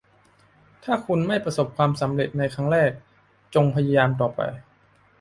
ถ้าคุณไม่ประสบความสำเร็จในครั้งแรก จงพยายามต่อไป